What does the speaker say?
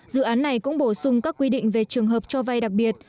dự án này cũng bổ sung các quy định về trường hợp cho vay đặc biệt